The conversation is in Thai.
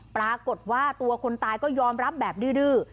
ปรากฏว่าตัวคนตายก็ยอมรับแบบดื้อ